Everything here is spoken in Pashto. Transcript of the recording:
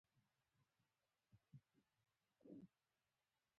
په تا يې څه؛ چې ته ما ته ځواب راکوې.